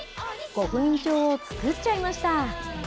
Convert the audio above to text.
御墳印帳を作っちゃいました。